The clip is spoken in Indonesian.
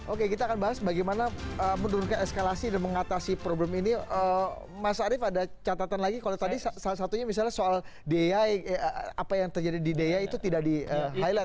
oke kita akan bahas bagaimana menurunkan eskalasi dan mengatasi problem ini mas arief ada catatan lagi kalau tadi salah satunya misalnya soal dea apa yang terjadi di dea itu tidak di highlight